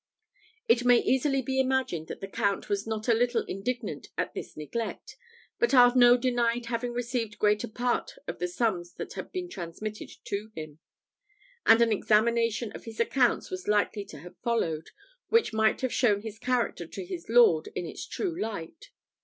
It may easily be imagined that the Count was not a little indignant at this neglect; but Arnault denied having received greater part of the sums that had been transmitted to him; and an examination of his accounts was likely to have followed, which might have shown his character to his lord in its true light.